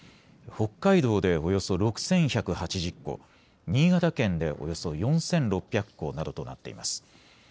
北海道でおよそ６１８０戸、新潟県でおよそ４６００戸などとなっています。